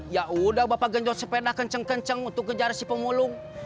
ya udah bapak genjot sepeda kenceng kenceng untuk kejar si pemulung